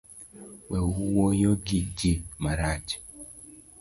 We wuoyo gi ji marach